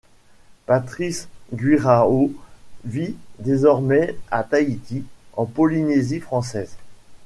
Patrice Guirao vit désormais à Tahiti, en Polynésie française.